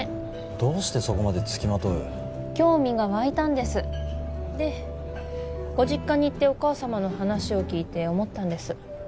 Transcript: どうしてそこまでつきまとう興味が湧いたんですでご実家に行ってお母様の話を聞いて思ったんです